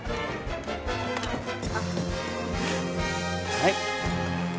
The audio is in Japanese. はい。